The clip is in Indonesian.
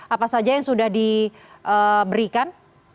apa saja yang sudah diberikan